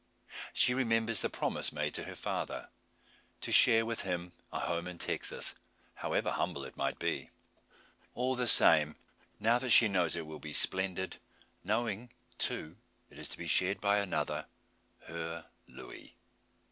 She remembers the promise made to her father to share with him a home in Texas, however humble it might be. All the same, now that she knows it will be splendid; knowing, too, it is to be shared by another her Louis.